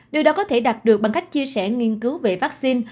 điều đó có thể đạt được bằng cách chia sẻ nghiên cứu về vắc xin